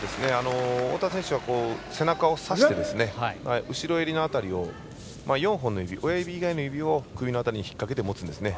太田選手は背中をさして後ろ襟辺りを親指以外の指を首の裏に引っ掛けて持つんですね。